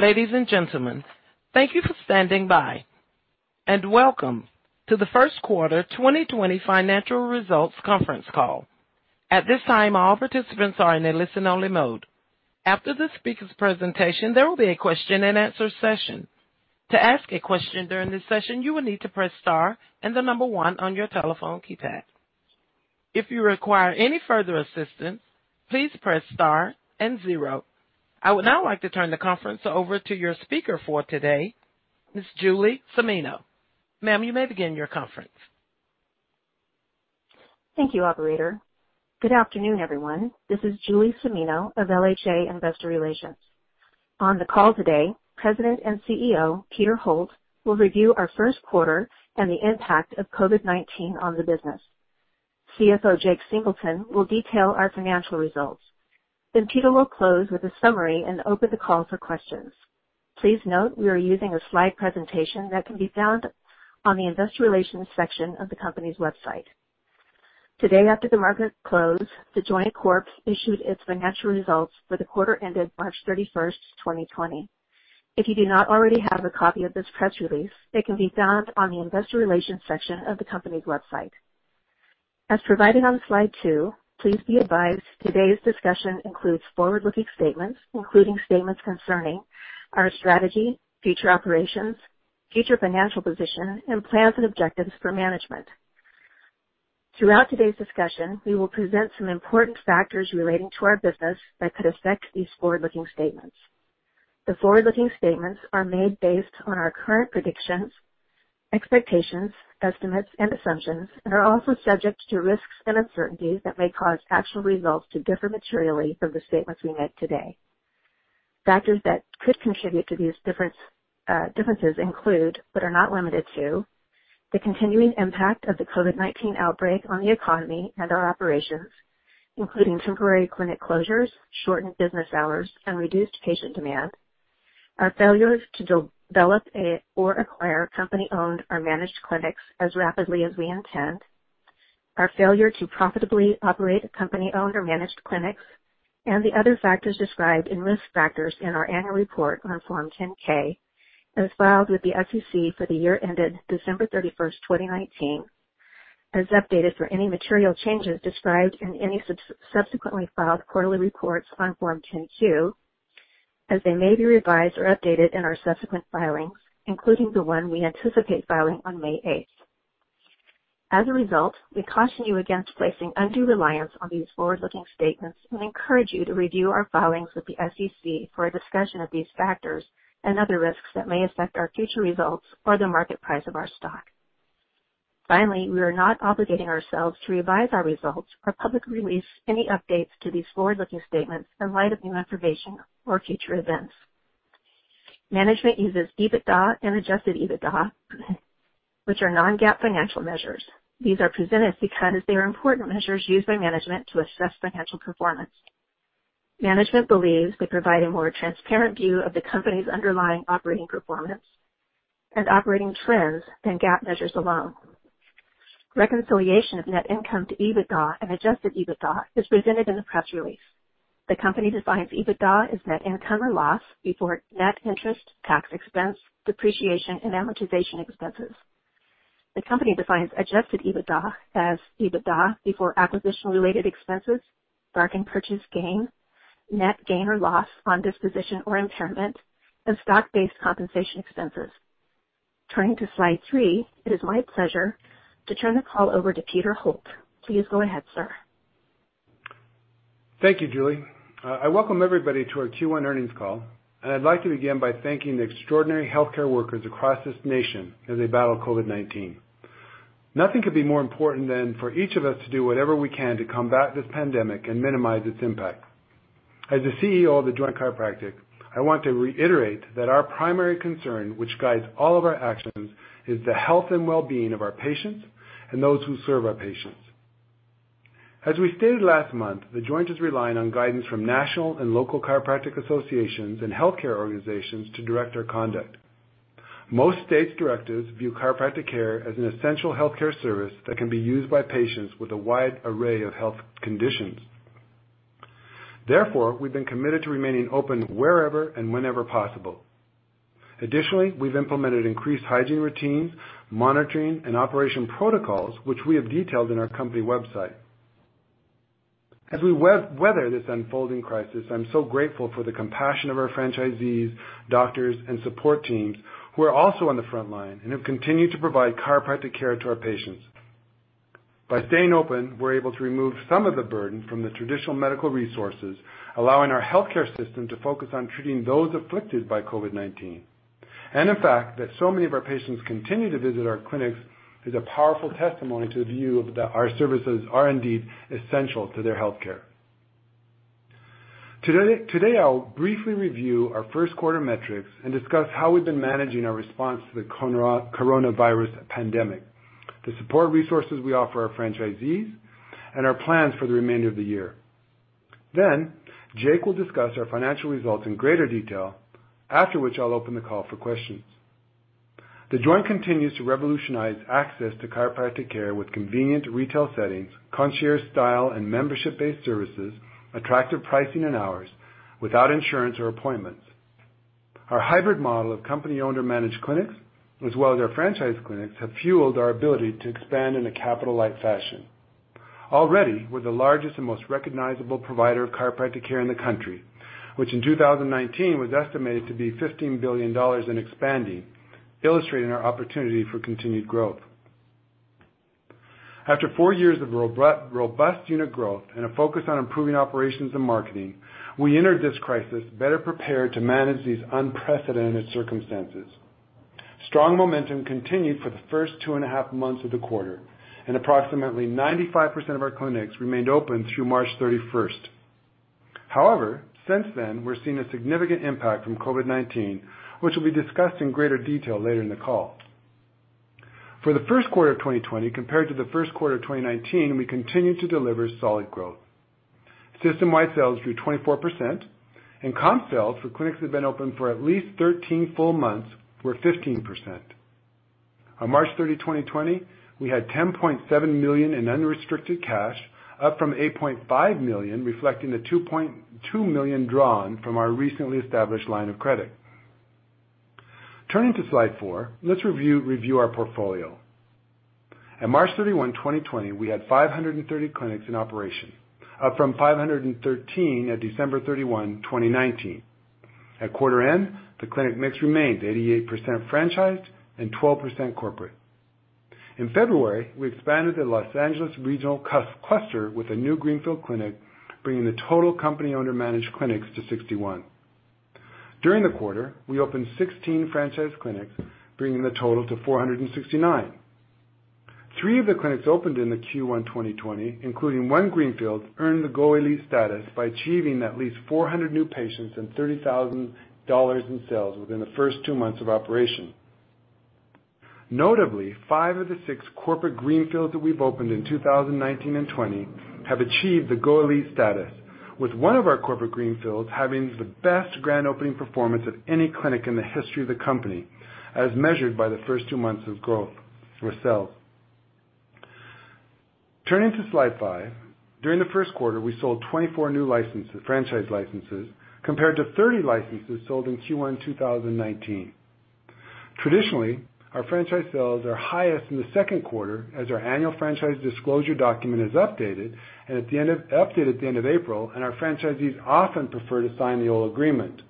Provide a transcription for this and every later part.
Ladies and gentlemen, thank you for standing by, and welcome to the Q1 2020 financial results conference call. At this time, all participants are in a listen-only mode. After the speaker's presentation, there will be a question and answer session. To ask a question during this session, you will need to press star and the number one on your telephone keypad. If you require any further assistance, please press star and zero. I would now like to turn the conference over to your speaker for today, Ms. Julie Cimino. Ma'am, you may begin your conference. Thank you, operator. Good afternoon, everyone. This is Julie Cimino of LHA Investor Relations. On the call today, President and CEO, Peter Holt, will review our Q1 and the impact of COVID-19 on the business. CFO Jake Singleton will detail our financial results. Peter will close with a summary and open the call for questions. Please note, we are using a slide presentation that can be found on the investor relations section of the company's website. Today after the market close, The Joint Corp. issued its financial results for the quarter ended March 31st, 2020. If you do not already have a copy of this press release, it can be found on the investor relations section of the company's website. As provided on slide two, please be advised today's discussion includes forward-looking statements, including statements concerning our strategy, future operations, future financial position, and plans and objectives for management. Throughout today's discussion, we will present some important factors relating to our business that could affect these forward-looking statements. The forward-looking statements are made based on our current predictions, expectations, estimates, and assumptions and are also subject to risks and uncertainties that may cause actual results to differ materially from the statements we make today. Factors that could contribute to these differences include, but are not limited to, the continuing impact of the COVID-19 outbreak on the economy and our operations, including temporary clinic closures, shortened business hours, and reduced patient demand, our failures to develop or acquire company-owned or managed clinics as rapidly as we intend, our failure to profitably operate company-owned or managed clinics, and the other factors described in Risk Factors in our annual report on Form 10-K, as filed with the SEC for the year ended December 31st, 2019, as updated for any material changes described in any subsequently filed quarterly reports on Form 10-Q, as they may be revised or updated in our subsequent filings, including the one we anticipate filing on May 8th. As a result, we caution you against placing undue reliance on these forward-looking statements and encourage you to review our filings with the SEC for a discussion of these factors and other risks that may affect our future results or the market price of our stock. Finally, we are not obligating ourselves to revise our results or publicly release any updates to these forward-looking statements in light of new information or future events. Management uses EBITDA and adjusted EBITDA, which are non-GAAP financial measures. These are presented because they are important measures used by management to assess financial performance. Management believes they provide a more transparent view of the company's underlying operating performance and operating trends than GAAP measures alone. Reconciliation of net income to EBITDA and adjusted EBITDA is presented in the press release. The company defines EBITDA as net income or loss before net interest, tax expense, depreciation, and amortization expenses. The company defines adjusted EBITDA as EBITDA before acquisition-related expenses, bargain purchase gain, net gain or loss on disposition or impairment, and stock-based compensation expenses. Turning to slide three, it is my pleasure to turn the call over to Peter Holt. Please go ahead, sir. Thank you, Julie. I welcome everybody to our Q1 earnings call, and I'd like to begin by thanking the extraordinary healthcare workers across this nation as they battle COVID-19. Nothing could be more important than for each of us to do whatever we can to combat this pandemic and minimize its impact. As the CEO of The Joint Chiropractic, I want to reiterate that our primary concern, which guides all of our actions, is the health and well-being of our patients and those who serve our patients. As we stated last month, The Joint is relying on guidance from national and local chiropractic associations and healthcare organizations to direct our conduct. Most states' directives view chiropractic care as an essential healthcare service that can be used by patients with a wide array of health conditions. Therefore, we've been committed to remaining open wherever and whenever possible. Additionally, we've implemented increased hygiene routines, monitoring, and operation protocols, which we have detailed on our company website. As we weather this unfolding crisis, I'm so grateful for the compassion of our franchisees, doctors, and support teams who are also on the front line and have continued to provide chiropractic care to our patients. By staying open, we're able to remove some of the burden from the traditional medical resources, allowing our healthcare system to focus on treating those afflicted by COVID-19. The fact that so many of our patients continue to visit our clinics is a powerful testimony to the view that our services are indeed essential to their healthcare. Today, I'll briefly review our Q1 metrics and discuss how we've been managing our response to the coronavirus pandemic, the support resources we offer our franchisees, and our plans for the remainder of the year. Jake will discuss our financial results in greater detail, after which I'll open the call for questions. The Joint continues to revolutionize access to chiropractic care with convenient retail settings, concierge style and membership-based services, attractive pricing and hours without insurance or appointments. Our hybrid model of company-owned or managed clinics, as well as our franchise clinics, have fueled our ability to expand in a capital-light fashion. We're the largest and most recognizable provider of chiropractic care in the country, which in 2019 was estimated to be $15 billion and expanding, illustrating our opportunity for continued growth. After four years of robust unit growth and a focus on improving operations and marketing, we entered this crisis better prepared to manage these unprecedented circumstances. Strong momentum continued for the first 2.5 months of the quarter, approximately 95% of our clinics remained open through March 31st. However, since then, we're seeing a significant impact from COVID-19, which will be discussed in greater detail later in the call. For the Q1 of 2020 compared to the Q1 of 2019, we continued to deliver solid growth. System-wide sales grew 24%, and comp sales for clinics that have been open for at least 13 full months were 15%. On March 30, 2020, we had $10.7 million in unrestricted cash, up from $8.5 million, reflecting the $2.2 million drawn from our recently established line of credit. Turning to slide four, let's review our portfolio. At March 31, 2020, we had 530 clinics in operation, up from 513 at December 31, 2019. At quarter end, the clinic mix remained at 88% franchised and 12% corporate. In February, we expanded the Los Angeles regional cluster with a new greenfield clinic, bringing the total company-owned or managed clinics to 61. During the quarter, we opened 16 franchise clinics, bringing the total to 469. Three of the clinics opened in the Q1 2020, including one greenfield, earned the Go Elite status by achieving at least 400 new patients and $30,000 in sales within the first two months of operation. Notably, five of the six corporate greenfields that we've opened in 2019 and '20 have achieved the Go Elite status, with one of our corporate greenfields having the best grand opening performance of any clinic in the history of the company, as measured by the first two months of sales. Turning to slide five. During the Q1, we sold 24 new franchise licenses compared to 30 licenses sold in Q1 2019. Traditionally, our franchise sales are highest in the Q2 as our annual franchise disclosure document is updated at the end of April, and our franchisees often prefer to sign the old agreement.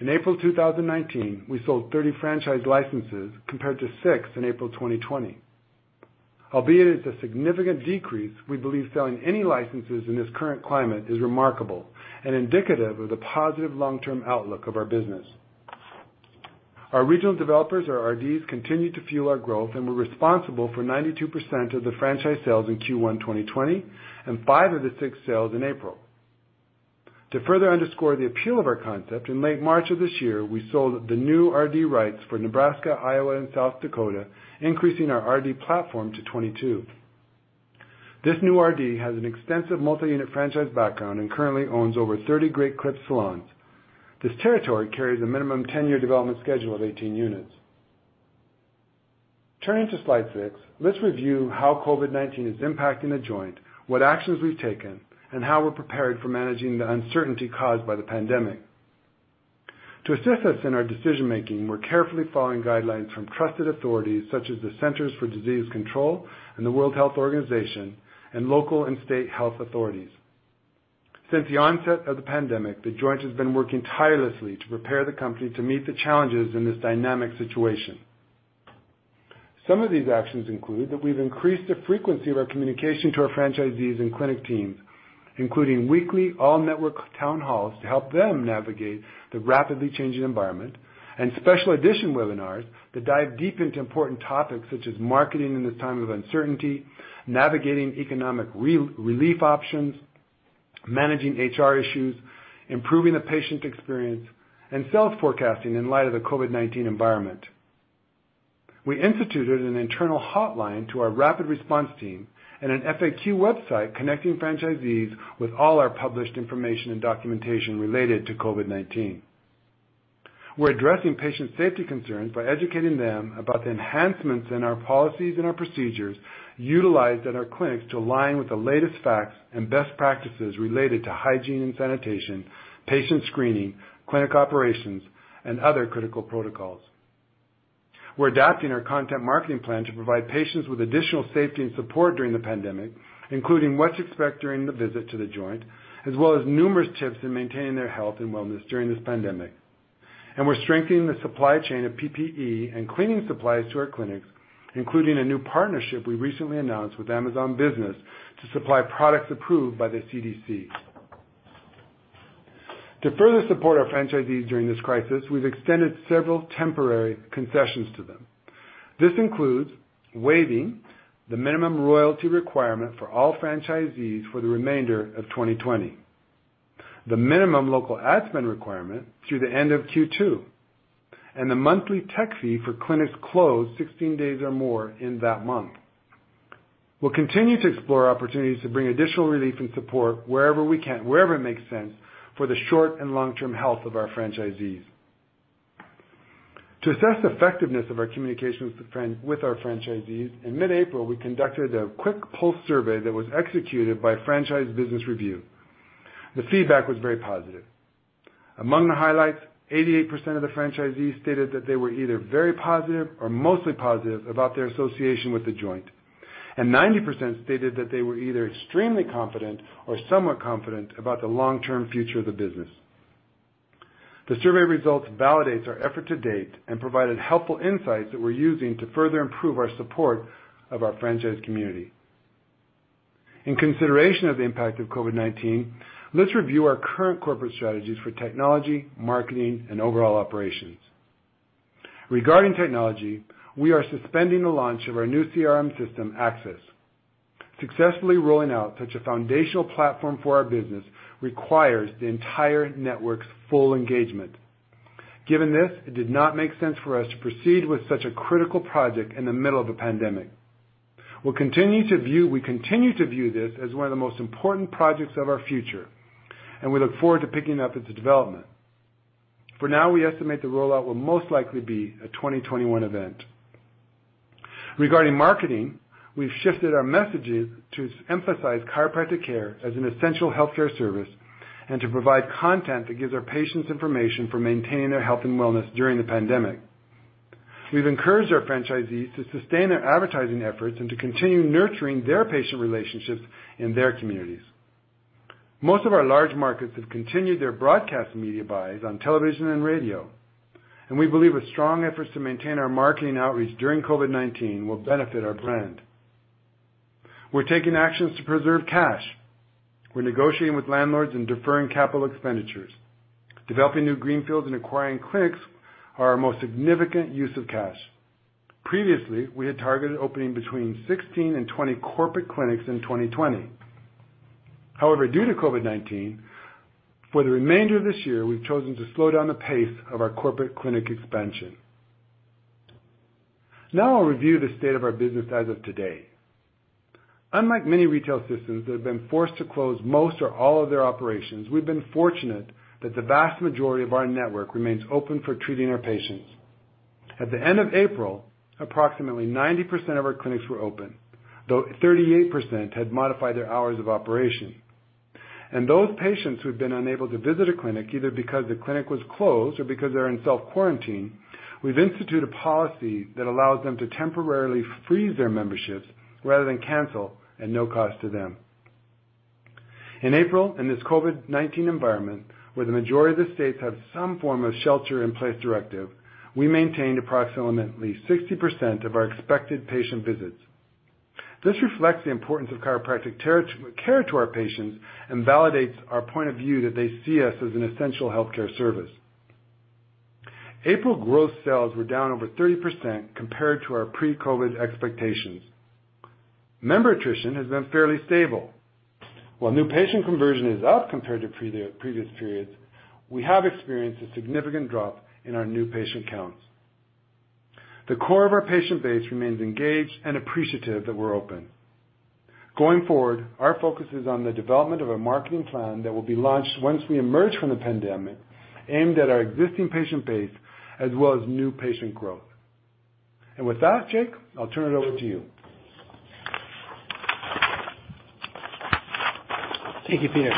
In April 2019, we sold 30 franchise licenses compared to six in April 2020. Albeit it is a significant decrease, we believe selling any licenses in this current climate is remarkable and indicative of the positive long-term outlook of our business. Our regional developers or RDs continue to fuel our growth and were responsible for 92% of the franchise sales in Q1 2020 and five of the six sales in April. To further underscore the appeal of our concept, in late March of this year, we sold the new RD rights for Nebraska, Iowa, and South Dakota, increasing our RD platform to 22. This new RD has an extensive multi-unit franchise background and currently owns over 30 Great Clips salons. This territory carries a minimum 10-year development schedule of 18 units. Turning to slide six. Let's review how COVID-19 is impacting The Joint, what actions we've taken, and how we're prepared for managing the uncertainty caused by the pandemic. To assist us in our decision-making, we're carefully following guidelines from trusted authorities such as the Centers for Disease Control and the World Health Organization and local and state health authorities. Since the onset of the pandemic, The Joint has been working tirelessly to prepare the company to meet the challenges in this dynamic situation. Some of these actions include that we've increased the frequency of our communication to our franchisees and clinic teams, including weekly all-network town halls to help them navigate the rapidly changing environment, and special edition webinars that dive deep into important topics such as marketing in this time of uncertainty, navigating economic relief options, managing HR issues, improving the patient experience, and sales forecasting in light of the COVID-19 environment. We instituted an internal hotline to our rapid response team and an FAQ website connecting franchisees with all our published information and documentation related to COVID-19. We're addressing patient safety concerns by educating them about the enhancements in our policies and our procedures utilized at our clinics to align with the latest facts and best practices related to hygiene and sanitation, patient screening, clinic operations, and other critical protocols. We're adapting our content marketing plan to provide patients with additional safety and support during the pandemic, including what to expect during the visit to The Joint, as well as numerous tips in maintaining their health and wellness during this pandemic. We're strengthening the supply chain of PPE and cleaning supplies to our clinics, including a new partnership we recently announced with Amazon Business to supply products approved by the CDC. To further support our franchisees during this crisis, we've extended several temporary concessions to them. This includes waiving the minimum royalty requirement for all franchisees for the remainder of 2020, the minimum local ad spend requirement through the end of Q2, and the monthly tech fee for clinics closed 16 days or more in that month. We'll continue to explore opportunities to bring additional relief and support wherever it makes sense for the short and long-term health of our franchisees. To assess the effectiveness of our communications with our franchisees, in mid-April, we conducted a quick pulse survey that was executed by Franchise Business Review. The feedback was very positive. Among the highlights, 88% of the franchisees stated that they were either very positive or mostly positive about their association with The Joint, and 90% stated that they were either extremely confident or somewhat confident about the long-term future of the business. The survey results validates our effort to date and provided helpful insights that we're using to further improve our support of our franchise community. In consideration of the impact of COVID-19, let's review our current corporate strategies for technology, marketing, and overall operations. Regarding technology, we are suspending the launch of our new CRM system, Axis. Successfully rolling out such a foundational platform for our business requires the entire network's full engagement. Given this, it did not make sense for us to proceed with such a critical project in the middle of a pandemic. We continue to view this as one of the most important projects of our future, and we look forward to picking up its development. For now, we estimate the rollout will most likely be a 2021 event. Regarding marketing, we've shifted our messages to emphasize chiropractic care as an essential healthcare service and to provide content that gives our patients information for maintaining their health and wellness during the pandemic. We've encouraged our franchisees to sustain their advertising efforts and to continue nurturing their patient relationships in their communities. Most of our large markets have continued their broadcast media buys on television and radio, and we believe a strong effort to maintain our marketing outreach during COVID-19 will benefit our brand. We're taking actions to preserve cash. We're negotiating with landlords and deferring capital expenditures. Developing new greenfields and acquiring clinics are our most significant use of cash. Previously, we had targeted opening between 16 and 20 corporate clinics in 2020. However, due to COVID-19, for the remainder of this year, we've chosen to slow down the pace of our corporate clinic expansion. Now I'll review the state of our business as of today. Unlike many retail systems that have been forced to close most or all of their operations, we've been fortunate that the vast majority of our network remains open for treating our patients. At the end of April, approximately 90% of our clinics were open, though 38% had modified their hours of operation. Those patients who've been unable to visit a clinic either because the clinic was closed or because they're in self-quarantine, we've instituted a policy that allows them to temporarily freeze their memberships rather than cancel at no cost to them. In April, in this COVID-19 environment, where the majority of the states have some form of shelter-in-place directive, we maintained approximately 60% of our expected patient visits. This reflects the importance of chiropractic care to our patients and validates our point of view that they see us as an essential healthcare service. April gross sales were down over 30% compared to our pre-COVID expectations. Member attrition has been fairly stable. While new patient conversion is up compared to previous periods, we have experienced a significant drop in our new patient counts. The core of our patient base remains engaged and appreciative that we're open. Going forward, our focus is on the development of a marketing plan that will be launched once we emerge from the pandemic, aimed at our existing patient base as well as new patient growth. With that, Jake, I'll turn it over to you. Thank you, Peter.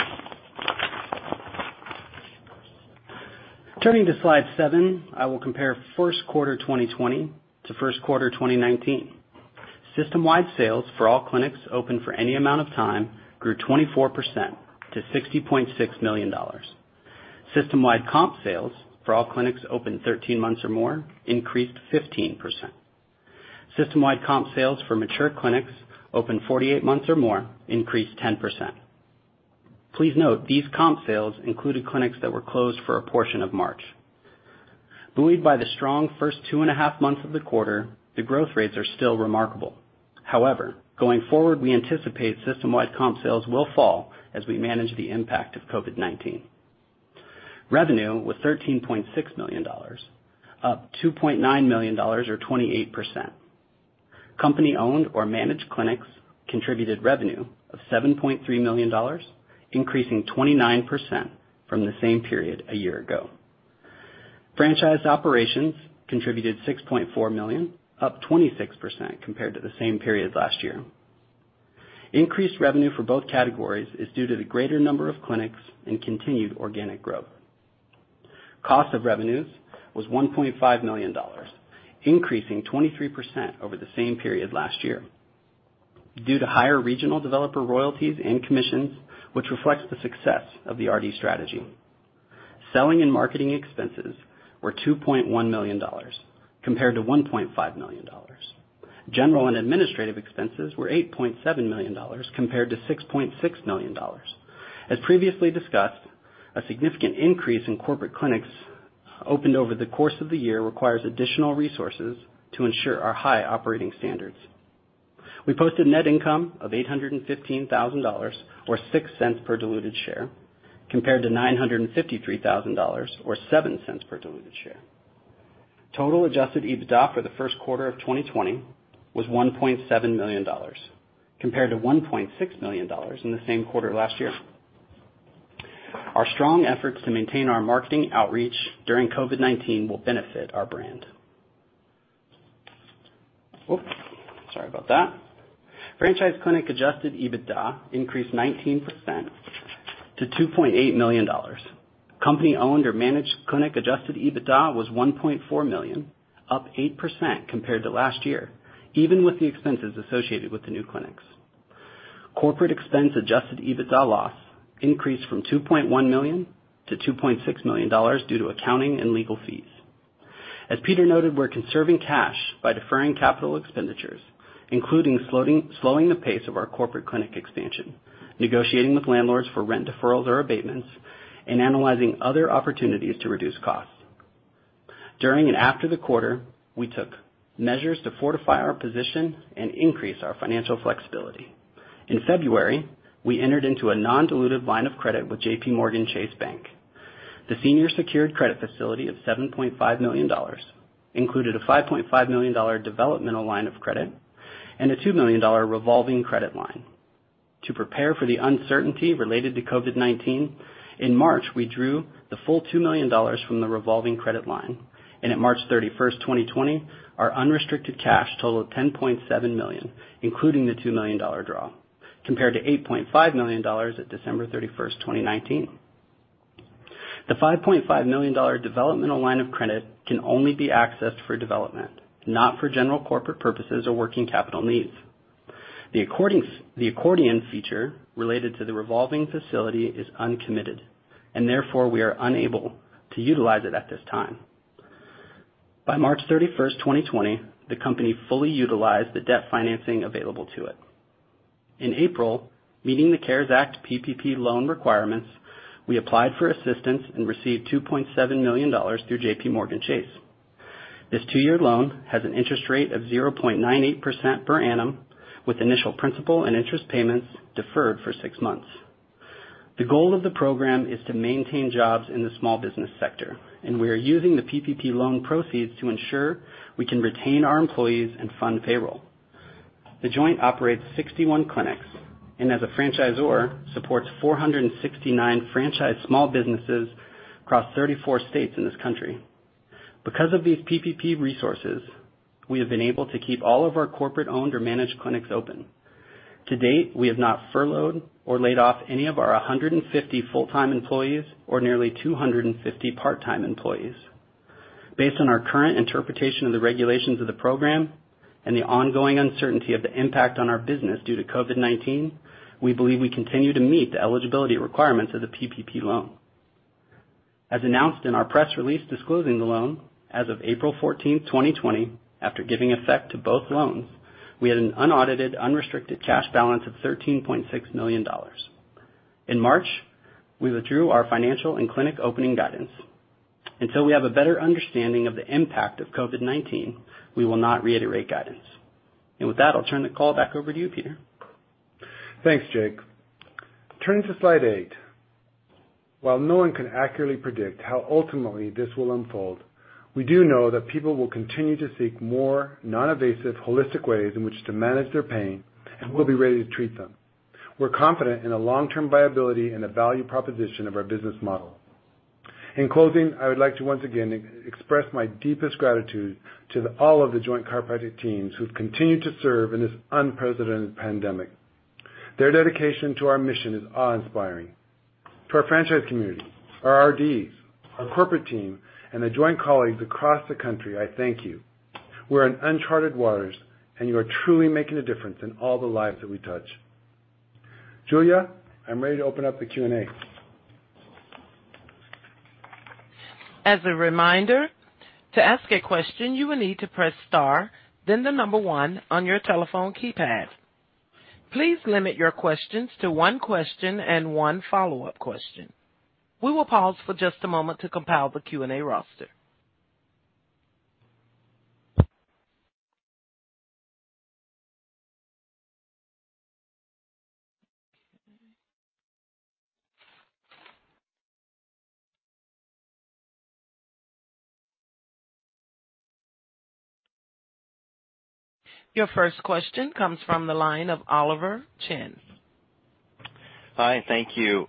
Turning to slide seven, I will compare Q1 2020 to Q1 2019. System-wide sales for all clinics open for any amount of time grew 24% to $60.6 million. System-wide comp sales for all clinics open 13 months or more increased 15%. System-wide comp sales for mature clinics open 48 months or more increased 10%. Please note, these comp sales included clinics that were closed for a portion of March. Buoyed by the strong 2.5 months of the quarter, the growth rates are still remarkable. Going forward, we anticipate system-wide comp sales will fall as we manage the impact of COVID-19. Revenue was $13.6 million, up $2.9 million or 28%. Company-owned or managed clinics contributed revenue of $7.3 million, increasing 29% from the same period a year ago. Franchise operations contributed $6.4 million, up 26% compared to the same period last year. Increased revenue for both categories is due to the greater number of clinics and continued organic growth. Cost of revenues was $1.5 million, increasing 23% over the same period last year due to higher regional developer royalties and commissions, which reflects the success of the RD strategy. Selling and marketing expenses were $2.1 million compared to $1.5 million. General and administrative expenses were $8.7 million compared to $6.6 million. As previously discussed, a significant increase in corporate clinics opened over the course of the year requires additional resources to ensure our high operating standards. We posted net income of $815,000 or $0.06 per diluted share, compared to $953,000 or $0.07 per diluted share. Total adjusted EBITDA for the Q1 of 2020 was $1.7 million, compared to $1.6 million in the same quarter last year. Our strong efforts to maintain our marketing outreach during COVID-19 will benefit our brand. Oops, sorry about that. Franchise clinic adjusted EBITDA increased 19% to $2.8 million. Company-owned or managed clinic adjusted EBITDA was $1.4 million, up 8% compared to last year, even with the expenses associated with the new clinics. Corporate expense adjusted EBITDA loss increased from $2.1 million to $2.6 million due to accounting and legal fees. As Peter noted, we're conserving cash by deferring capital expenditures, including slowing the pace of our corporate clinic expansion, negotiating with landlords for rent deferrals or abatements, and analyzing other opportunities to reduce costs. During and after the quarter, we took measures to fortify our position and increase our financial flexibility. In February, we entered into a non-dilutive line of credit with JPMorgan Chase Bank. The senior secured credit facility of $7.5 million included a $5.5 million developmental line of credit and a $2 million revolving credit line. To prepare for the uncertainty related to COVID-19, in March, we drew the full $2 million from the revolving credit line, and at March 31st, 2020, our unrestricted cash totaled $10.7 million, including the $2 million draw, compared to $8.5 million at December 31st, 2019. The $5.5 million developmental line of credit can only be accessed for development, not for general corporate purposes or working capital needs. The accordion feature related to the revolving facility is uncommitted, and therefore, we are unable to utilize it at this time. By March 31st, 2020, the company fully utilized the debt financing available to it. In April, meeting the CARES Act PPP loan requirements, we applied for assistance and received $2.7 million through JPMorgan Chase. This two-year loan has an interest rate of 0.98% per annum, with initial principal and interest payments deferred for six months. The goal of the program is to maintain jobs in the small business sector, and we are using the PPP loan proceeds to ensure we can retain our employees and fund payroll. The Joint operates 61 clinics, and as a franchisor, supports 469 franchised small businesses across 34 states in this country. Because of these PPP resources, we have been able to keep all of our corporate-owned or managed clinics open. To date, we have not furloughed or laid off any of our 150 full-time employees or nearly 250 part-time employees. Based on our current interpretation of the regulations of the program and the ongoing uncertainty of the impact on our business due to COVID-19, we believe we continue to meet the eligibility requirements of the PPP loan. As announced in our press release disclosing the loan, as of April 14th, 2020, after giving effect to both loans, we had an unaudited, unrestricted cash balance of $13.6 million. In March, we withdrew our financial and clinic opening guidance. Until we have a better understanding of the impact of COVID-19, we will not reiterate guidance. With that, I'll turn the call back over to you, Peter. Thanks, Jake. Turning to slide eight. While no one can accurately predict how ultimately this will unfold, we do know that people will continue to seek more non-invasive, holistic ways in which to manage their pain, and we'll be ready to treat them. We're confident in the long-term viability and the value proposition of our business model. In closing, I would like to once again express my deepest gratitude to all of The Joint Chiropractic teams who've continued to serve in this unprecedented pandemic. Their dedication to our mission is awe-inspiring. To our franchise community, our RDs, our corporate team, and The Joint colleagues across the country, I thank you. We're in uncharted waters, and you are truly making a difference in all the lives that we touch. Julie, I'm ready to open up the Q&A. As a reminder, to ask a question, you will need to press star, then the number one on your telephone keypad. Please limit your questions to one question and one follow-up question. We will pause for just a moment to compile the Q&A roster. Your first question comes from the line of Oliver Chen. Hi, thank you.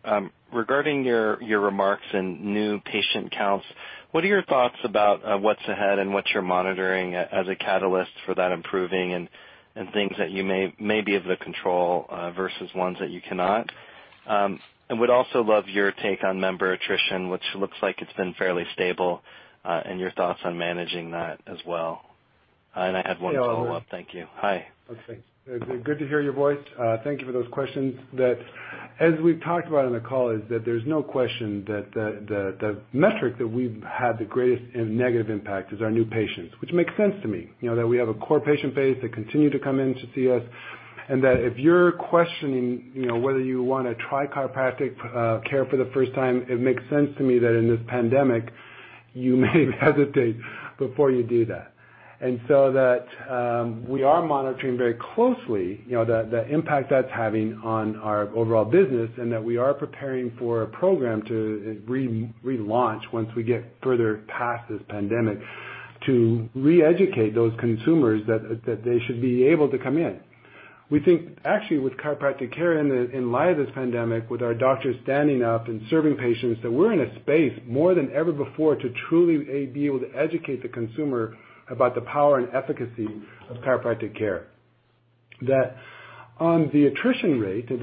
Regarding your remarks and new patient counts, what are your thoughts about what's ahead and what you're monitoring as a catalyst for that improving and things that you may be able to control, versus ones that you cannot? Would also love your take on member attrition, which looks like it's been fairly stable, and your thoughts on managing that as well. I have one follow-up. Thank you. Hi. Okay. Good to hear your voice. Thank you for those questions. As we've talked about on the call, is that there's no question that the metric that we've had the greatest negative impact is our new patients, which makes sense to me. We have a core patient base that continue to come in to see us. If you're questioning whether you want to try chiropractic care for the first time, it makes sense to me that in this pandemic, you may hesitate before you do that. We are monitoring very closely the impact that's having on our overall business. We are preparing for a program to relaunch once we get further past this pandemic to re-educate those consumers that they should be able to come in. We think actually with chiropractic care in light of this pandemic, with our doctors standing up and serving patients, that we're in a space more than ever before to truly be able to educate the consumer about the power and efficacy of chiropractic care. That on the attrition rate, and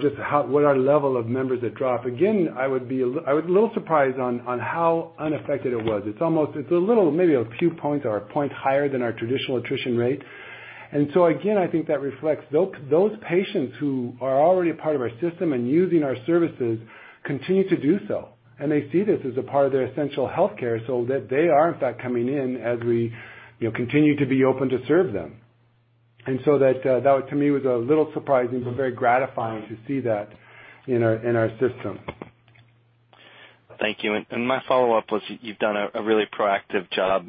just what our level of members that drop. Again, I was a little surprised on how unaffected it was. It's a little, maybe a few points or a point higher than our traditional attrition rate. Again, I think that reflects those patients who are already a part of our system and using our services continue to do so, and they see this as a part of their essential healthcare, so that they are in fact coming in as we continue to be open to serve them. That to me was a little surprising, but very gratifying to see that in our system. Thank you. My follow-up was, you've done a really proactive job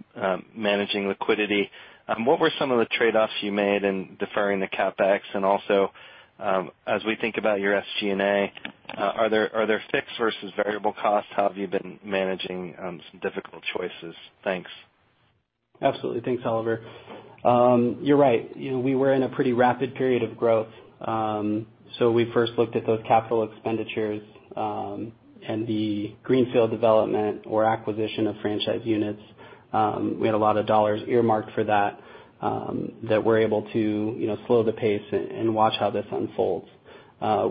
managing liquidity. What were some of the trade-offs you made in deferring the CapEx? Also, as we think about your SG&A, are there fixed versus variable costs? How have you been managing some difficult choices? Thanks. Absolutely. Thanks, Oliver. You're right. We were in a pretty rapid period of growth. We first looked at those capital expenditures, and the greenfield development or acquisition of franchise units. We had a lot of dollars earmarked for that we're able to slow the pace and watch how this unfolds.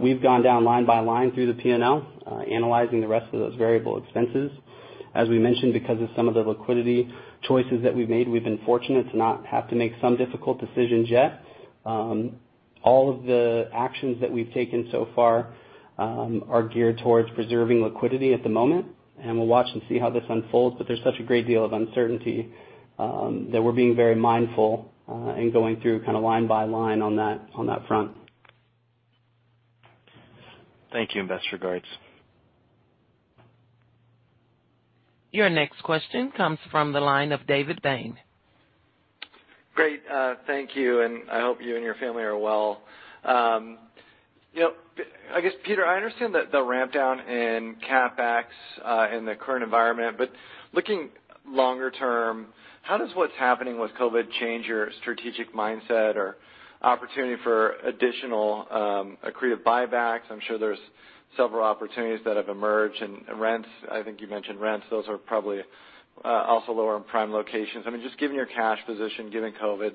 We've gone down line by line through the P&L, analyzing the rest of those variable expenses. As we mentioned, because of some of the liquidity choices that we've made, we've been fortunate to not have to make some difficult decisions yet. All of the actions that we've taken so far are geared towards preserving liquidity at the moment, and we'll watch and see how this unfolds, but there's such a great deal of uncertainty that we're being very mindful and going through kind of line by line on that front. Thank you and best regards. Your next question comes from the line of David Bain. Great. Thank you, and I hope you and your family are well. I guess, Peter, I understand the ramp down in CapEx in the current environment, but looking longer term, how does what's happening with COVID change your strategic mindset or opportunity for additional accretive buybacks? I'm sure there's several opportunities that have emerged and rents, I mean, I think you mentioned rents, those are probably also lower in prime locations. I mean, just given your cash position, given COVID,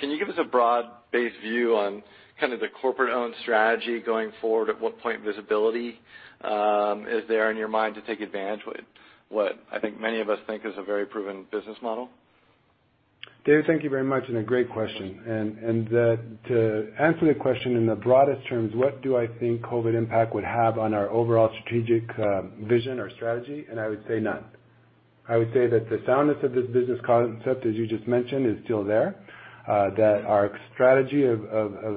can you give us a broad-based view on kind of the corporate-owned strategy going forward? At what point visibility is there in your mind to take advantage what I think many of us think is a very proven business model? David, thank you very much, and a great question. To answer your question in the broadest terms, what do I think COVID impact would have on our overall strategic vision or strategy? I would say none. I would say that the soundness of this business concept, as you just mentioned, is still there. That our strategy of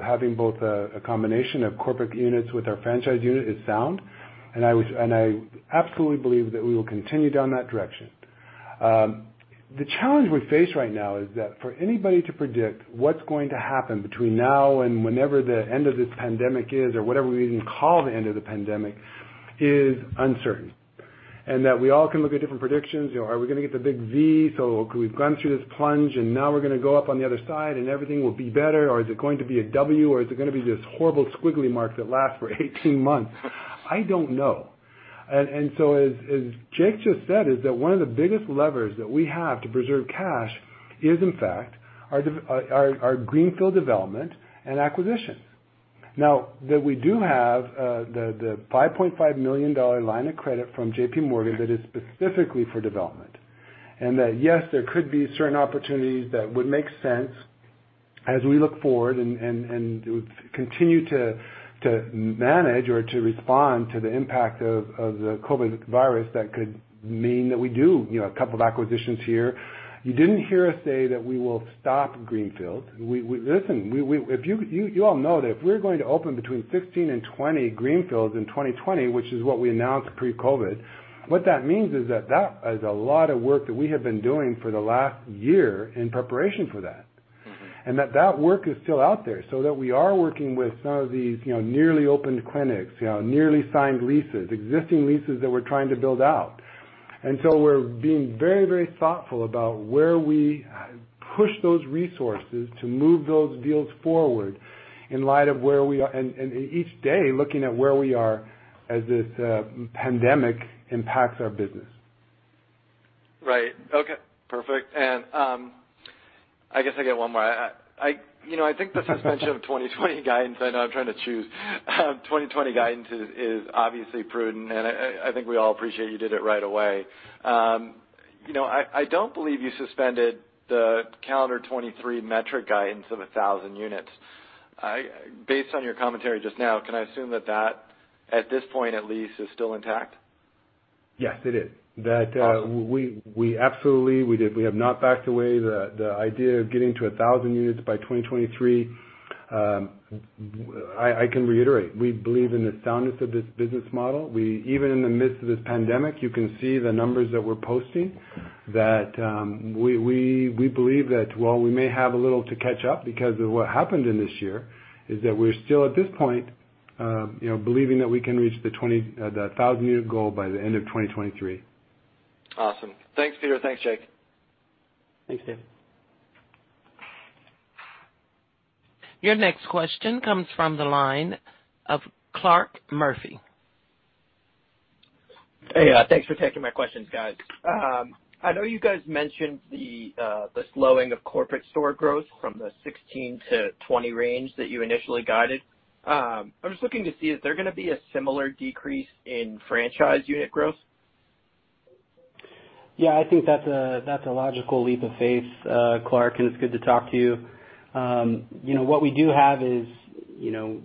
having both a combination of corporate units with our franchise unit is sound, and I absolutely believe that we will continue down that direction. The challenge we face right now is that for anybody to predict what's going to happen between now and whenever the end of this pandemic is, or whatever we even call the end of the pandemic, is uncertain. That we all can look at different predictions. Are we going to get the big V? We've gone through this plunge, and now we're going to go up on the other side and everything will be better, or is it going to be a W, or is it going to be this horrible squiggly mark that lasts for 18 months? I don't know. As Jake just said, is that one of the biggest levers that we have to preserve cash is, in fact, our greenfield development and acquisition. Now that we do have the $5.5 million line of credit from JPMorgan that is specifically for development. That, yes, there could be certain opportunities that would make sense as we look forward and continue to manage or to respond to the impact of the COVID virus, that could mean that we do a couple of acquisitions here. You didn't hear us say that we will stop greenfields. Listen, you all know that if we're going to open between 15 and 20 greenfields in 2020, which is what we announced pre-COVID, what that means is that that is a lot of work that we have been doing for the last year in preparation for that. That work is still out there, so that we are working with some of these nearly opened clinics, nearly signed leases, existing leases that we're trying to build out. We're being very thoughtful about where we push those resources to move those deals forward in light of where we are, and each day looking at where we are as this pandemic impacts our business. Right. Okay, perfect. I guess I get one more. I think the suspension of 2020 guidance, I know I'm trying to choose. 2020 guidance is obviously prudent, and I think we all appreciate you did it right away. I don't believe you suspended the calendar 2023 metric guidance of 1,000 units. Based on your commentary just now, can I assume that that, at this point at least, is still intact? Yes, it is. Awesome. We absolutely have not backed away the idea of getting to 1,000 units by 2023. I can reiterate, we believe in the soundness of this business model. Even in the midst of this pandemic, you can see the numbers that we're posting, that we believe that while we may have a little to catch up because of what happened in this year, is that we're still, at this point, believing that we can reach the thousand unit goal by the end of 2023. Awesome. Thanks, Peter. Thanks, Jake. Thanks, David. Your next question comes from the line of Clarke Murphy. Hey. Thanks for taking my questions, guys. I know you guys mentioned the slowing of corporate store growth from the 16-20 range that you initially guided. I'm just looking to see, is there going to be a similar decrease in franchise unit growth? Yeah, I think that's a logical leap of faith, Clarke, and it's good to talk to you. What we do have is,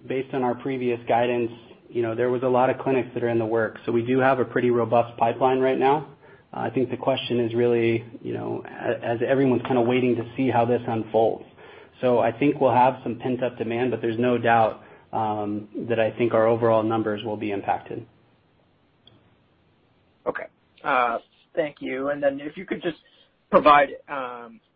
based on our previous guidance, there was a lot of clinics that are in the works. We do have a pretty robust pipeline right now. I think the question is really, as everyone's kind of waiting to see how this unfolds. I think we'll have some pent-up demand, but there's no doubt that I think our overall numbers will be impacted. Okay. Thank you. If you could just provide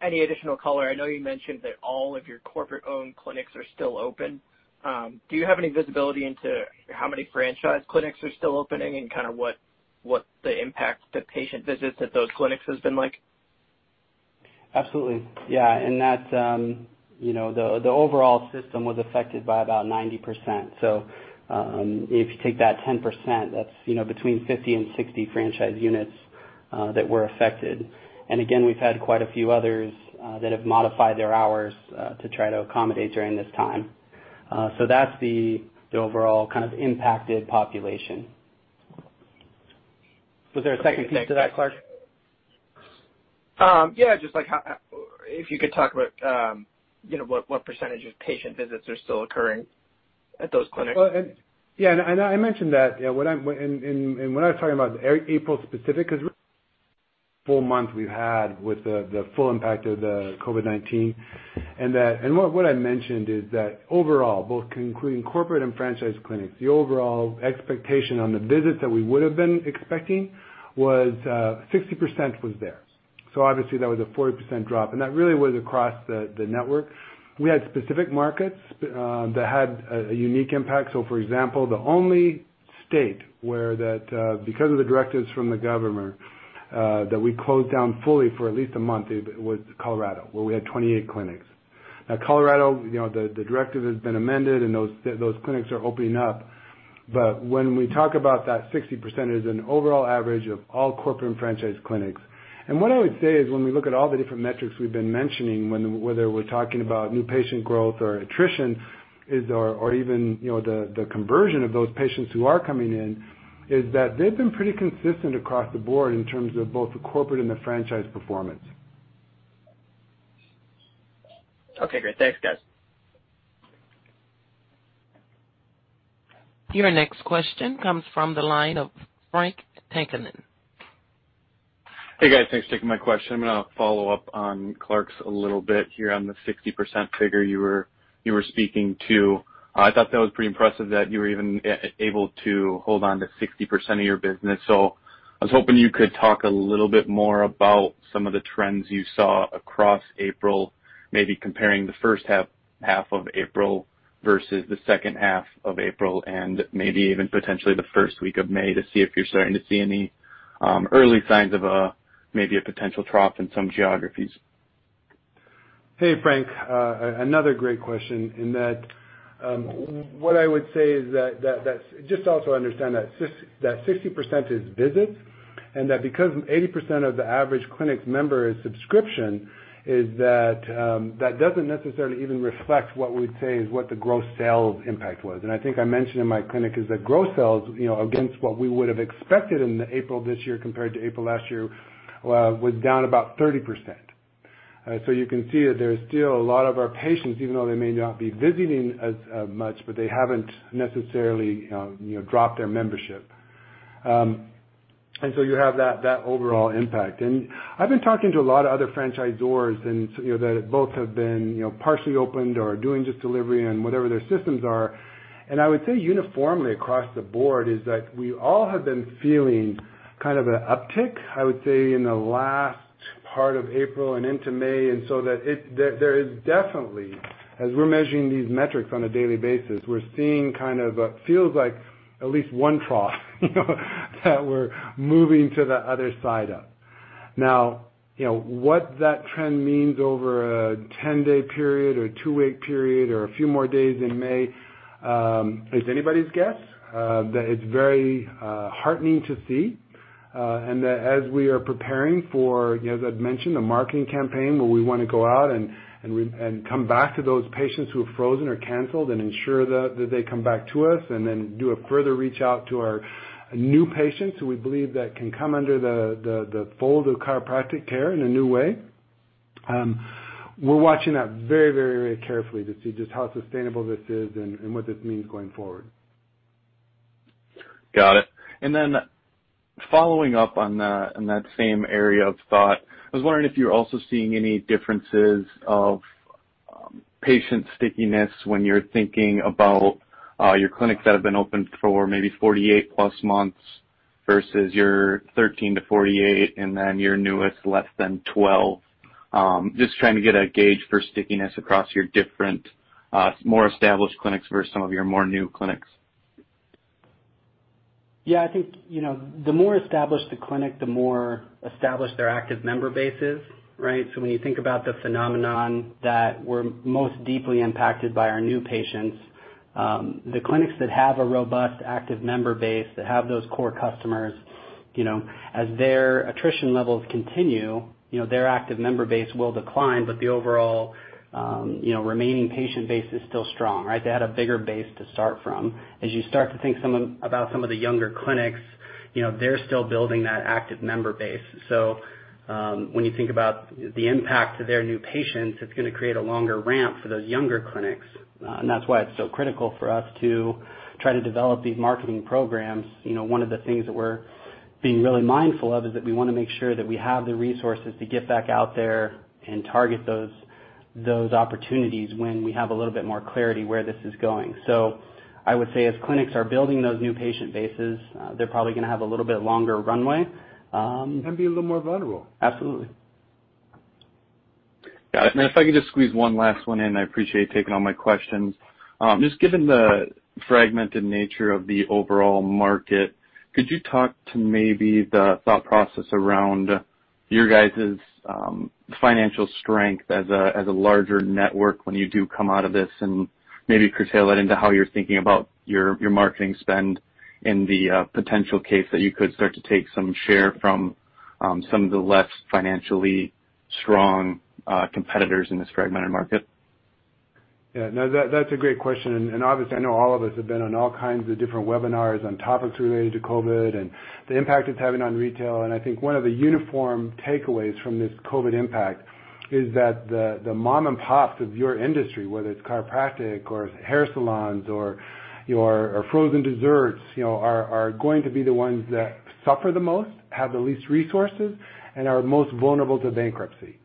any additional color. I know you mentioned that all of your corporate-owned clinics are still open. Do you have any visibility into how many franchise clinics are still opening and kind of what the impact to patient visits at those clinics has been like? Absolutely. The overall system was affected by about 90%. If you take that 10%, that's between 50 and 60 franchise units that were affected. Again, we've had quite a few others that have modified their hours to try to accommodate during this time. That's the overall kind of impacted population. Was there a second piece to that, Clarke? Yeah, if you could talk about what percentage of patient visits are still occurring at those clinics? Yeah, I mentioned that. When I was talking about April-specific, because full month we've had with the full impact of COVID-19, what I mentioned is that overall, both including corporate and franchise clinics, the overall expectation on the visits that we would have been expecting, 60% was there. Obviously that was a 40% drop. That really was across the network. We had specific markets that had a unique impact. For example, the only state where that, because of the directives from the government, that we closed down fully for at least a month, was Colorado, where we had 28 clinics. Now, Colorado, the directive has been amended, those clinics are opening up. When we talk about that 60% is an overall average of all corporate and franchise clinics. What I would say is, when we look at all the different metrics we've been mentioning, whether we're talking about new patient growth or attrition or even the conversion of those patients who are coming in, is that they've been pretty consistent across the board in terms of both the corporate and the franchise performance. Okay, great. Thanks, guys. Your next question comes from the line of Frank Takkinen. Hey, guys. Thanks for taking my question. I'm going to follow up on Clarke's a little bit here on the 60% figure you were speaking to. I thought that was pretty impressive that you were even able to hold on to 60% of your business. I was hoping you could talk a little bit more about some of the trends you saw across April, maybe comparing the first half of April versus the second half of April and maybe even potentially the first week of May to see if you're starting to see any early signs of maybe a potential trough in some geographies. Hey, Frank. Another great question in that what I would say is that, just also understand that 60% is visits and that because 80% of the average clinic member is subscription, is that that doesn't necessarily even reflect what we'd say is what the gross sales impact was. I think I mentioned in my clinic is that gross sales, against what we would have expected in April this year compared to April last year, was down about 30%. You can see that there's still a lot of our patients, even though they may not be visiting as much, but they haven't necessarily dropped their membership. You have that overall impact. I've been talking to a lot of other franchisors that both have been partially opened or doing just delivery and whatever their systems are. I would say uniformly across the board is that we all have been feeling kind of an uptick, I would say, in the last part of April and into May. There is definitely, as we're measuring these metrics on a daily basis, we're seeing kind of feels like at least one trough that we're moving to the other side of. Now, what that trend means over a 10-day period or a two-week period or a few more days in May, is anybody's guess. It's very heartening to see, as we are preparing for, as I'd mentioned, the marketing campaign where we want to go out and come back to those patients who have frozen or canceled and ensure that they come back to us, and then do a further reach out to our new patients who we believe that can come under the fold of chiropractic care in a new way. We're watching that very carefully to see just how sustainable this is and what this means going forward. Got it. Following up on that, in that same area of thought, I was wondering if you're also seeing any differences of patient stickiness when you're thinking about your clinics that have been open for maybe 48+ months versus your 13-48 and then your newest less than 12. Just trying to get a gauge for stickiness across your different, more established clinics versus some of your more new clinics. I think, the more established the clinic, the more established their active member base is, right. When you think about the phenomenon that we're most deeply impacted by our new patients, the clinics that have a robust active member base, that have those core customers, as their attrition levels continue, their active member base will decline. The overall remaining patient base is still strong, right. They had a bigger base to start from. As you start to think about some of the younger clinics, they're still building that active member base. When you think about the impact to their new patients, it's going to create a longer ramp for those younger clinics. That's why it's so critical for us to try to develop these marketing programs. One of the things that we're being really mindful of is that we want to make sure that we have the resources to get back out there and target those opportunities when we have a little bit more clarity where this is going. I would say as clinics are building those new patient bases, they're probably going to have a little bit longer runway. Be a little more vulnerable. Absolutely. Got it. If I could just squeeze one last one in. I appreciate you taking all my questions. Given the fragmented nature of the overall market, could you talk to maybe the thought process around your guys' financial strength as a larger network when you do come out of this and maybe curtail that into how you're thinking about your marketing spend in the potential case that you could start to take some share from some of the less financially strong competitors in this fragmented market? Yeah. No, that's a great question, and obviously I know all of us have been on all kinds of different webinars on topics related to COVID and the impact it's having on retail, and I think one of the uniform takeaways from this COVID impact is that the mom and pops of your industry, whether it's chiropractic or hair salons or frozen desserts are going to be the ones that suffer the most, have the least resources, and are most vulnerable to bankruptcy.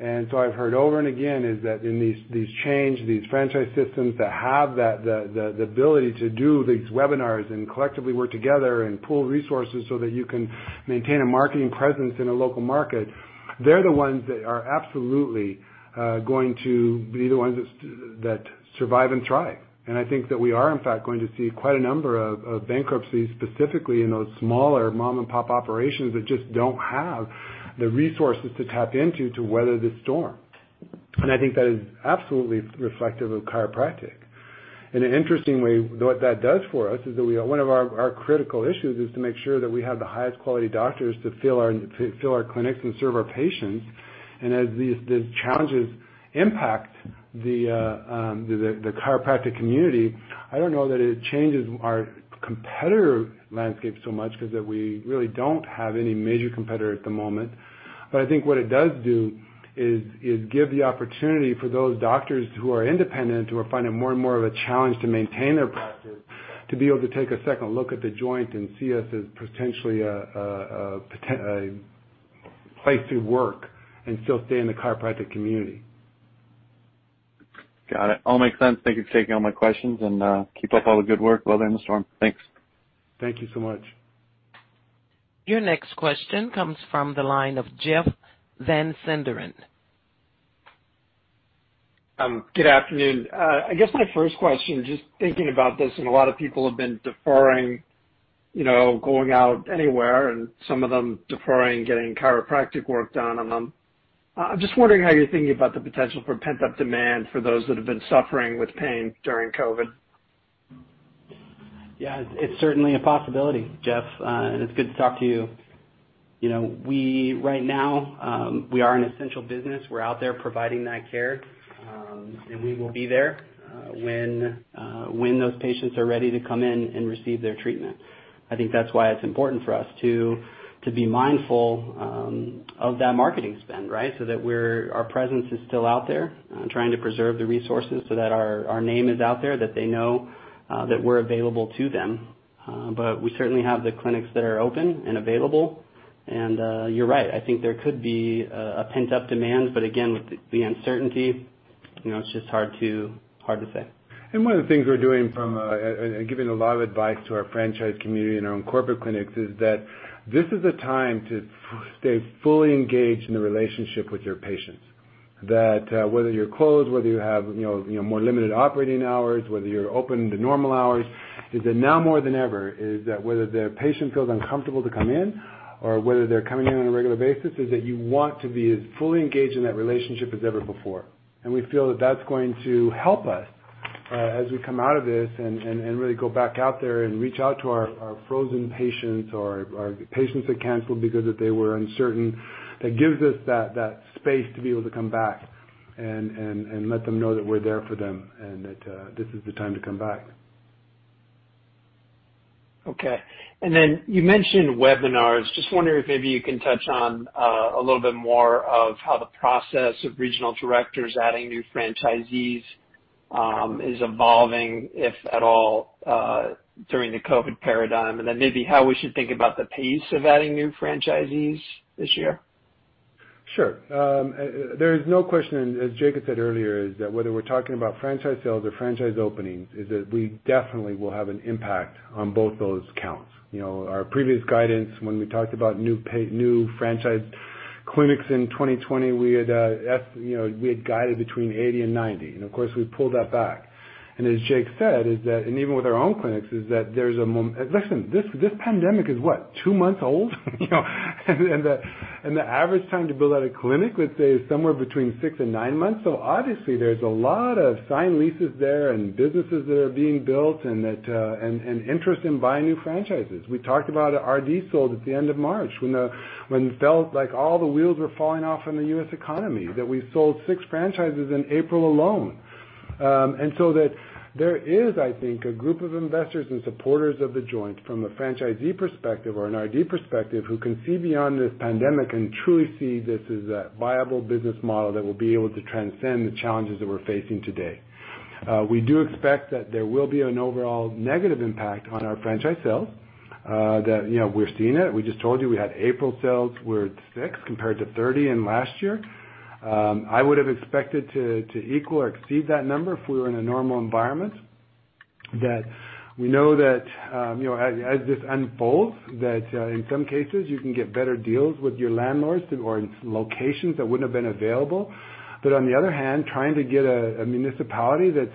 So I've heard over and again is that in these chains, these franchise systems that have the ability to do these webinars and collectively work together and pool resources so that you can maintain a marketing presence in a local market, they're the ones that are absolutely going to be the ones that survive and thrive. I think that we are in fact going to see quite a number of bankruptcies specifically in those smaller mom-and-pop operations that just don't have the resources to tap into to weather the storm. I think that is absolutely reflective of chiropractic. Interestingly, what that does for us is that one of our critical issues is to make sure that we have the highest quality doctors to fill our clinics and serve our patients, and as these challenges impact the chiropractic community, I don't know that it changes our competitor landscape so much because we really don't have any major competitor at the moment. I think what it does do is give the opportunity for those doctors who are independent, who are finding more and more of a challenge to maintain their practice, to be able to take a second look at The Joint and see us as potentially a place to work and still stay in the chiropractic community. Got it. All makes sense. Thank you for taking all my questions and keep up all the good work. Weathering the storm. Thanks. Thank you so much. Your next question comes from the line of Jeff Van Sinderen. Good afternoon. I guess my first question, just thinking about this and a lot of people have been deferring going out anywhere and some of them deferring getting chiropractic work done. I'm just wondering how you're thinking about the potential for pent-up demand for those that have been suffering with pain during COVID. It's certainly a possibility, Jeff, and it's good to talk to you. Right now, we are an essential business. We're out there providing that care. We will be there when those patients are ready to come in and receive their treatment. I think that's why it's important for us to be mindful of that marketing spend, right? That our presence is still out there, trying to preserve the resources so that our name is out there, that they know that we're available to them. We certainly have the clinics that are open and available and, you're right, I think there could be a pent-up demand, but again, with the uncertainty, it's just hard to say. One of the things we're doing from giving a lot of advice to our franchise community and our own corporate clinics is that this is a time to stay fully engaged in the relationship with your patients. That whether you're closed, whether you have more limited operating hours, whether you're open to normal hours, is that now more than ever is that whether the patient feels uncomfortable to come in or whether they're coming in on a regular basis, is that you want to be as fully engaged in that relationship as ever before. We feel that that's going to help us as we come out of this and really go back out there and reach out to our frozen patients or our patients that canceled because they were uncertain. That gives us that space to be able to come back and let them know that we're there for them and that this is the time to come back. Okay. You mentioned webinars. Just wondering if maybe you can touch on a little bit more of how the process of regional directors adding new franchisees is evolving, if at all, during the COVID paradigm, and then maybe how we should think about the pace of adding new franchisees this year? Sure. There is no question, as Jake said earlier, is that whether we're talking about franchise sales or franchise openings, is that we definitely will have an impact on both those counts. Our previous guidance when we talked about new franchise clinics in 2020, we had guided between 80 and 90. Of course, we pulled that back. As Jake said, and even with our own clinics, listen, this pandemic is what, two months old? The average time to build out a clinic, let's say, is somewhere between six and nine months. Obviously, there's a lot of signed leases there and businesses that are being built and interest in buying new franchises. We talked about our deals sold at the end of March when it felt like all the wheels were falling off in the U.S. economy, that we sold six franchises in April alone. There is, I think, a group of investors and supporters of The Joint from a franchisee perspective or an RD perspective who can see beyond this pandemic and truly see this as a viable business model that will be able to transcend the challenges that we're facing today. We do expect that there will be an overall negative impact on our franchise sales, that we're seeing it. We just told you we had April sales were at six compared to 30 last year. I would have expected to equal or exceed that number if we were in a normal environment. We know that as this unfolds, that in some cases, you can get better deals with your landlords or in locations that wouldn't have been available. On the other hand, trying to get a municipality that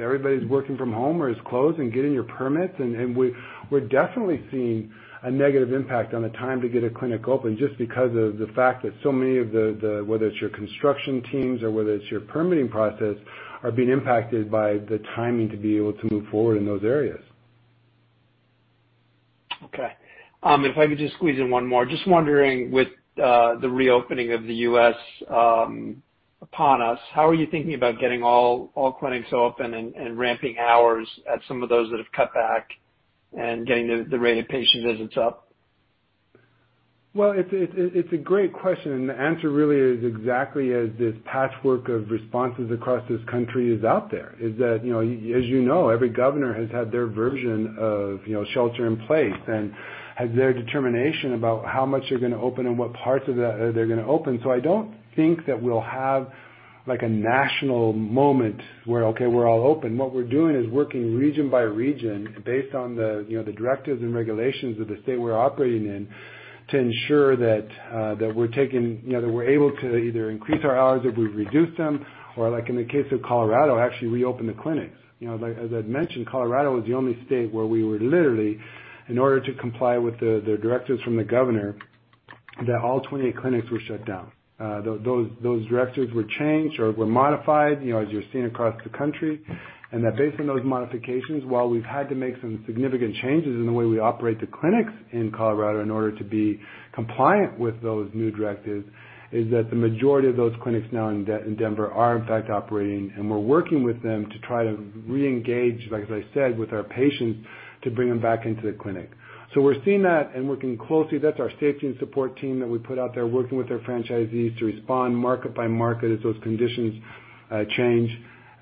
everybody's working from home or is closed and getting your permits, and we're definitely seeing a negative impact on the time to get a clinic open just because of the fact that so many of the, whether it's your construction teams or whether it's your permitting process, are being impacted by the timing to be able to move forward in those areas. Okay. If I could just squeeze in one more. Just wondering, with the reopening of the U.S. upon us, how are you thinking about getting all clinics open and ramping hours at some of those that have cut back and getting the rate of patient visits up? Well, it's a great question, and the answer really is exactly as this patchwork of responses across this country is out there, is that, as you know, every governor has had their version of shelter in place and has their determination about how much they're going to open and what parts of that they're going to open. I don't think that we'll have a national moment where, okay, we're all open. What we're doing is working region by region based on the directives and regulations of the state we're operating in to ensure that we're able to either increase our hours if we've reduced them, or, like in the case of Colorado, actually reopen the clinics. As I've mentioned, Colorado is the only state where we were literally, in order to comply with the directives from the governor, that all 28 clinics were shut down. Those directives were changed or were modified, as you're seeing across the country, and that based on those modifications, while we've had to make some significant changes in the way we operate the clinics in Colorado in order to be compliant with those new directives, is that the majority of those clinics now in Denver are in fact operating, and we're working with them to try to reengage, like as I said, with our patients to bring them back into the clinic. We're seeing that and working closely. That's our safety and support team that we put out there working with our franchisees to respond market by market as those conditions change.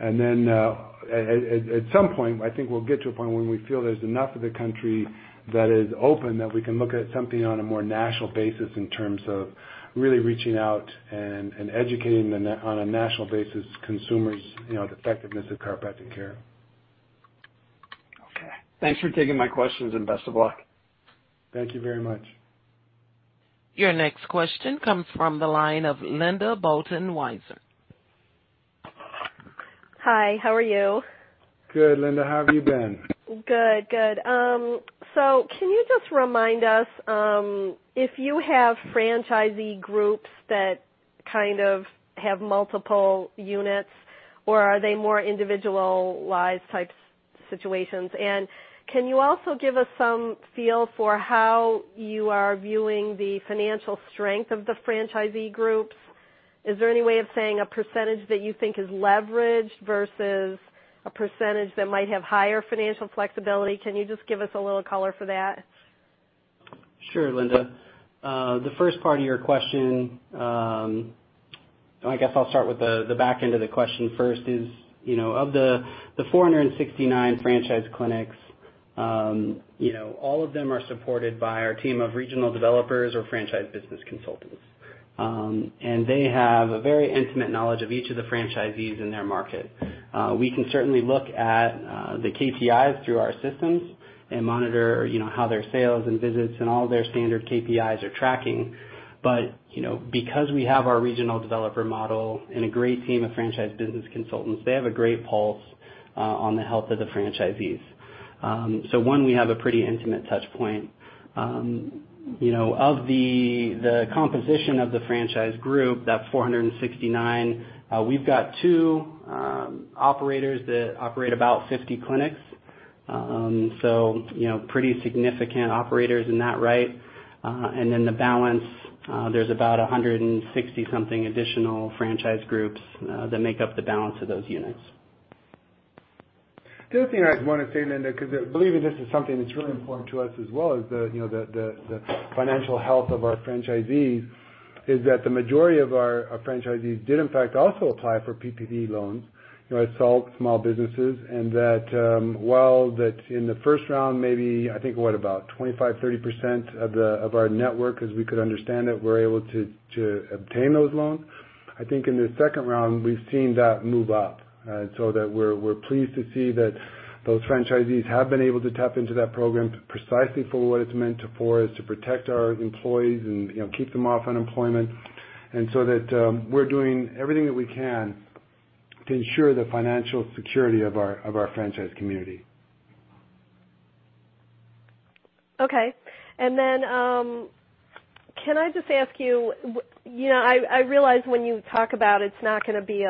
Then at some point, I think we'll get to a point when we feel there's enough of the country that is open that we can look at something on a more national basis in terms of really reaching out and educating on a national basis, consumers, the effectiveness of chiropractic care. Okay. Thanks for taking my questions and best of luck. Thank you very much. Your next question comes from the line of Linda Bolton-Weiser. Hi, how are you? Good, Linda. How have you been? Good. Can you just remind us, if you have franchisee groups that kind of have multiple units, or are they more individualized type situations? Can you also give us some feel for how you are viewing the financial strength of the franchisee groups? Is there any way of saying a percentage that you think is leveraged versus a percentage that might have higher financial flexibility? Can you just give us a little color for that? Sure, Linda. The first part of your question, I guess I'll start with the back end of the question first is, of the 469 franchise clinics, all of them are supported by our team of regional developers or franchise business consultants. They have a very intimate knowledge of each of the franchisees in their market. We can certainly look at the KPIs through our systems and monitor how their sales and visits and all their standard KPIs are tracking. Because we have our regional developer model and a great team of franchise business consultants, they have a great pulse on the health of the franchisees. One, we have a pretty intimate touchpoint. Of the composition of the franchise group, that 469, we've got two operators that operate about 50 clinics. Pretty significant operators in that right. Then the balance, there's about 160 something additional franchise groups that make up the balance of those units. The other thing I want to say, Linda, because believe me, this is something that's really important to us as well is the financial health of our franchisees, is that the majority of our franchisees did in fact also apply for PPP loans. It's all small businesses. While that in the first round, maybe I think what about 25%-30% of our network, as we could understand it, were able to obtain those loans. I think in the second round, we've seen that move up. We're pleased to see that those franchisees have been able to tap into that program precisely for what it's meant for, is to protect our employees and keep them off unemployment. We're doing everything that we can to ensure the financial security of our franchise community. Okay. Can I just ask you, I realize when you talk about it's not going to be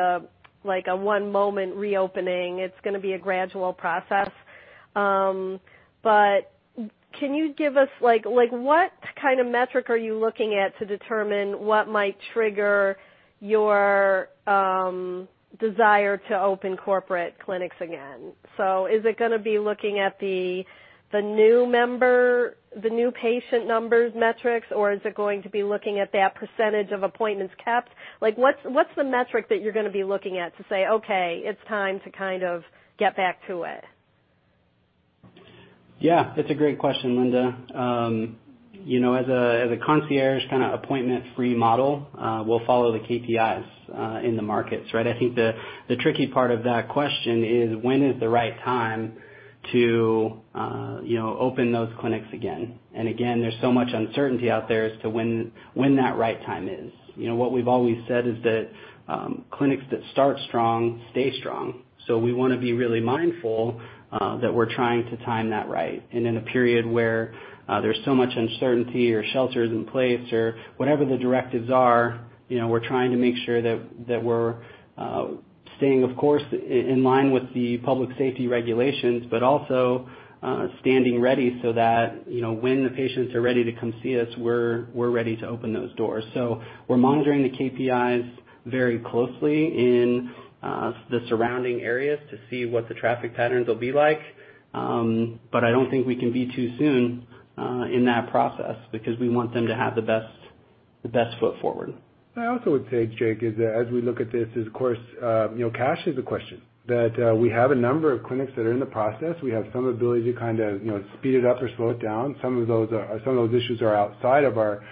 like a one-moment reopening, it's going to be a gradual process. Can you give us what kind of metric are you looking at to determine what might trigger your desire to open corporate clinics again? Is it going to be looking at the new member, the new patient numbers metrics, or is it going to be looking at that percentage of appointments kept? What's the metric that you're going to be looking at to say, "Okay, it's time to kind of get back to it"? Yeah, that's a great question, Linda. As a concierge kind of appointment-free model, we'll follow the KPIs in the markets, right? I think the tricky part of that question is when is the right time to open those clinics again. Again, there's so much uncertainty out there as to when that right time is. What we've always said is that clinics that start strong stay strong. We want to be really mindful that we're trying to time that right. In a period where there's so much uncertainty or shelter in place or whatever the directives are, we're trying to make sure that we're staying, of course, in line with the public safety regulations, but also standing ready so that when the patients are ready to come see us, we're ready to open those doors. We're monitoring the KPIs very closely in the surrounding areas to see what the traffic patterns will be like. I don't think we can be too soon in that process because we want them to have the best foot forward. I also would say, Jake, is that as we look at this, of course, cash is a question. We have a number of clinics that are in the process. We have some ability to kind of speed it up or slow it down. Some of those issues are outside of our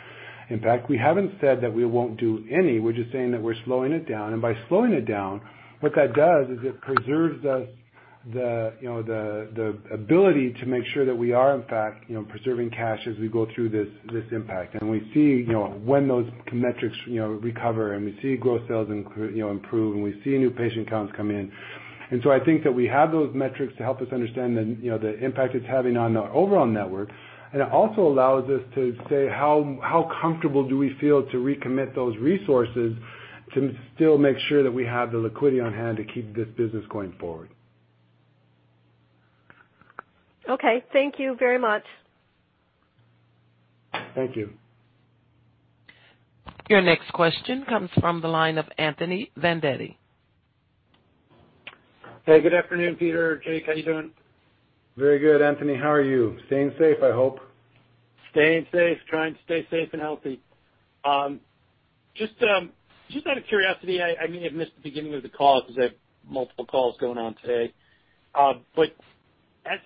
impact. We haven't said that we won't do any. We're just saying that we're slowing it down. By slowing it down, what that does is it preserves us the ability to make sure that we are, in fact, preserving cash as we go through this impact. We see when those metrics recover and we see growth sales improve, and we see new patient counts come in. I think that we have those metrics to help us understand the impact it's having on our overall network. It also allows us to say how comfortable do we feel to recommit those resources to still make sure that we have the liquidity on hand to keep this business going forward. Okay. Thank you very much. Thank you. Your next question comes from the line of Anthony Vendetti. Hey, good afternoon, Peter, Jake. How you doing? Very good, Anthony. How are you? Staying safe, I hope. Staying safe. Trying to stay safe and healthy. Just out of curiosity, I may have missed the beginning of the call because I have multiple calls going on today.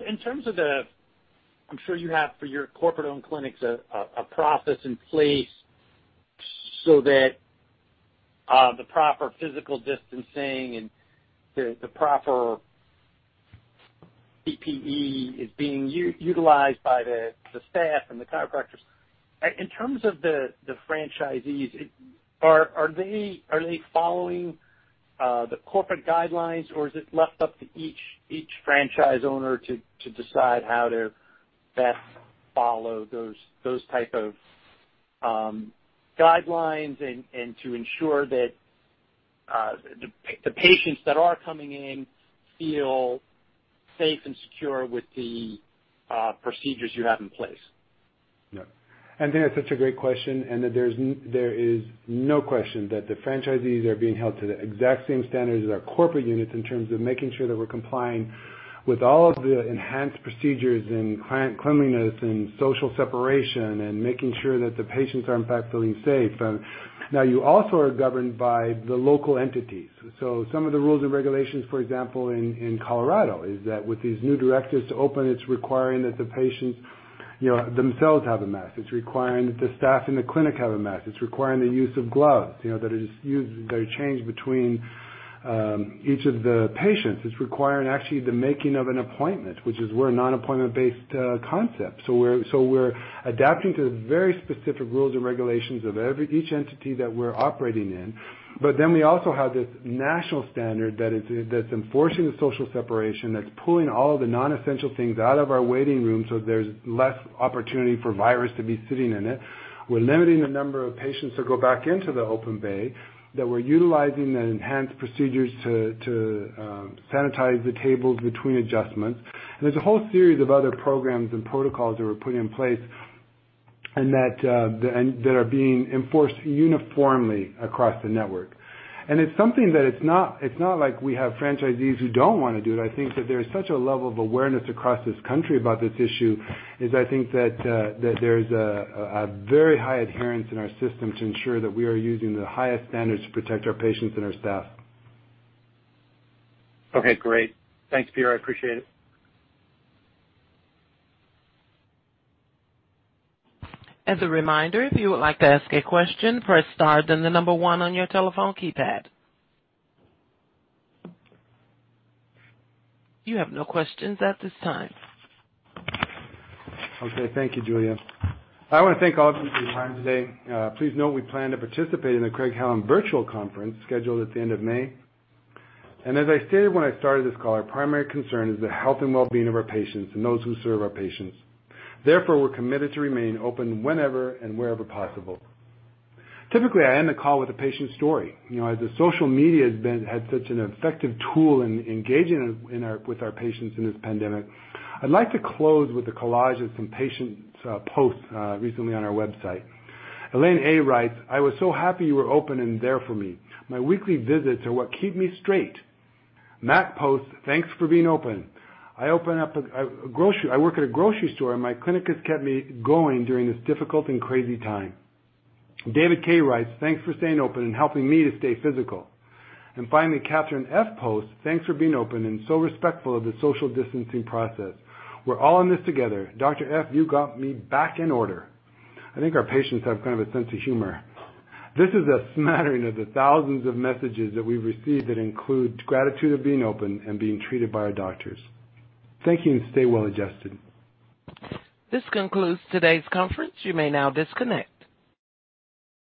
In terms of the, I'm sure you have for your corporate-owned clinics, a process in place so that the proper physical distancing and the proper PPE is being utilized by the staff and the chiropractors. In terms of the franchisees, are they following the corporate guidelines, or is it left up to each franchise owner to decide how to best follow those type of guidelines and to ensure that the patients that are coming in feel safe and secure with the procedures you have in place? Yeah. Anthony, that's such a great question, and there is no question that the franchisees are being held to the exact same standards as our corporate units in terms of making sure that we're complying with all of the enhanced procedures and client cleanliness and social separation and making sure that the patients are, in fact, feeling safe. Now, you also are governed by the local entities. Some of the rules and regulations, for example, in Colorado, is that with these new directives to open, it's requiring that the patients themselves have a mask. It's requiring that the staff in the clinic have a mask. It's requiring the use of gloves, that are changed between each of the patients. It's requiring actually the making of an appointment, which is we're a non-appointment-based concept. We're adapting to the very specific rules and regulations of each entity that we're operating in. We also have this national standard that's enforcing the social separation, that's pulling all the non-essential things out of our waiting room so there's less opportunity for virus to be sitting in it. We're limiting the number of patients that go back into the open bay, that we're utilizing the enhanced procedures to sanitize the tables between adjustments. There's a whole series of other programs and protocols that we're putting in place and that are being enforced uniformly across the network. It's something that it's not like we have franchisees who don't want to do it. I think that there's such a level of awareness across this country about this issue, is I think that there's a very high adherence in our system to ensure that we are using the highest standards to protect our patients and our staff. Okay, great. Thanks, Peter. I appreciate it. As a reminder, if you would like to ask a question, press star, then the number one on your telephone keypad. You have no questions at this time. Okay. Thank you, Julie. I want to thank all of you for your time today. Please note we plan to participate in the Craig-Hallum Virtual Conference scheduled at the end of May. As I stated when I started this call, our primary concern is the health and well-being of our patients and those who serve our patients. Therefore, we're committed to remain open whenever and wherever possible. Typically, I end the call with a patient story. As the social media has had such an effective tool in engaging with our patients in this pandemic, I'd like to close with a collage of some patients' posts recently on our website. Elaine A. writes, "I was so happy you were open and there for me. My weekly visits are what keep me straight." Matt posts, "Thanks for being open. I work at a grocery store, and my clinic has kept me going during this difficult and crazy time." David K. writes, "Thanks for staying open and helping me to stay physical." Finally, Katherine F. posts, "Thanks for being open and so respectful of the social distancing process. We're all in this together. Dr. F., you got me back in order." I think our patients have kind of a sense of humor. This is a smattering of the thousands of messages that we've received that include gratitude of being open and being treated by our doctors. Thank you, and stay well, adjusted. This concludes today's conference. You may now disconnect.